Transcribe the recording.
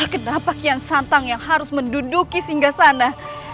kenapa kian santang yang harus menduduki singgah sana